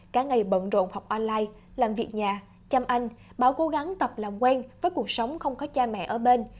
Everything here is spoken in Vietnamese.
cả ngày bận rộn học online làm việc nhà chăm anh bảo cố gắng tập làm quen với cuộc sống không có cha mẹ ở bên